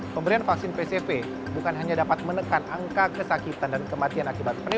pemberian vaksin pcv bukan hanya dapat menekan angka kesakitan dan kematian akibat pneumonia